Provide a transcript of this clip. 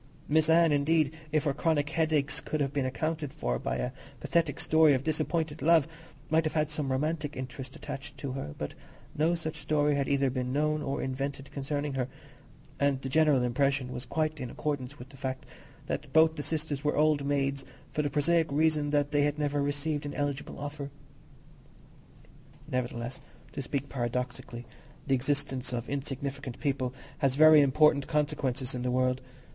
Miss Anne, indeed, if her chronic headaches could have been accounted for by a pathetic story of disappointed love, might have had some romantic interest attached to her: but no such story had either been known or invented concerning her, and the general impression was quite in accordance with the fact, that both the sisters were old maids for the prosaic reason that they had never received an eligible offer. Nevertheless, to speak paradoxically, the existence of insignificant people has very important consequences in the world.